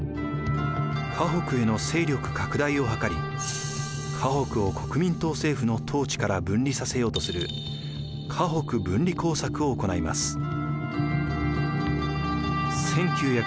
華北への勢力拡大をはかり華北を国民党政府の統治から分離させようとする華北分離工作を行います。